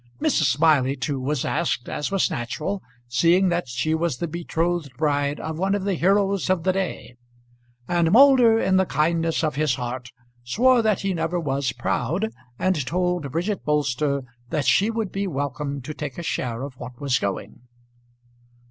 Mrs. Smiley, too, was asked, as was natural, seeing that she was the betrothed bride of one of the heroes of the day; and Moulder, in the kindness of his heart, swore that he never was proud, and told Bridget Bolster that she would be welcome to take a share of what was going.